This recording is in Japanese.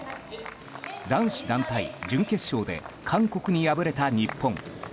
男子団体準決勝で韓国に敗れた日本。